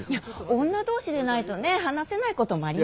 女同士でないとねえ話せないこともありますから。